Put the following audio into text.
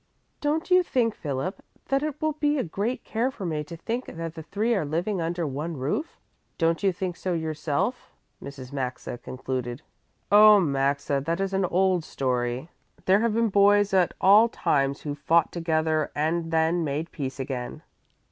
"Don't you think, Philip, that it will be a great care for me to think that the three are living under one roof? Don't you think so yourself?" Mrs. Maxa concluded. "Oh, Maxa, that is an old story. There have been boys at all times who fought together and then made peace again."